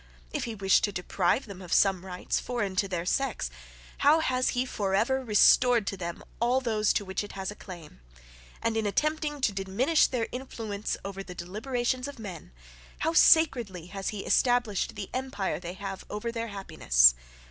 If he wished to deprive them of some rights, foreign to their sex, how has he for ever restored to them all those to which it has a claim! And in attempting to diminish their influence over the deliberations of men, how sacredly has he established the empire they have over their happiness!